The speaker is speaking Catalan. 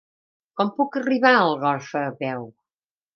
Com puc arribar a Algorfa a peu?